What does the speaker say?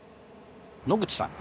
野口さん。